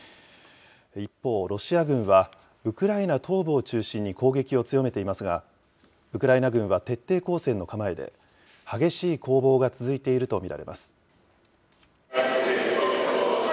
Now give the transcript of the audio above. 一方、ロシア軍はウクライナ東部を中心に攻撃を強めていますが、ウクライナ軍は徹底抗戦の構えで、激しい攻防が続いていると見られます。